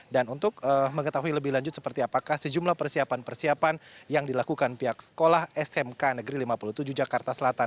dan untuk mengetahui lebih lanjut seperti apakah sejumlah persiapan persiapan yang dilakukan pihak sekolah smk negeri lima puluh tujuh jakarta selatan